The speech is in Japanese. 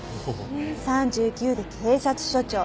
３９で警察署長。